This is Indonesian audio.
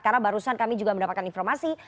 karena barusan kami juga mendapatkan informasi